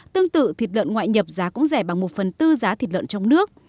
tương tự thịt lợn ngoại nhập giá cũng rẻ bằng một phần tư giá thịt lợn trong nước